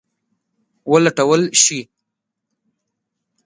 ولټول شي.